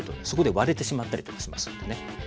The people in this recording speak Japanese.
そこで割れてしまったりとかしますのでね。